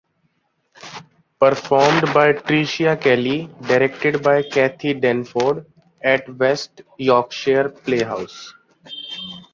Performed by Tricia Kelly, directed by Cathy Denford, at West Yorkshire Playhouse.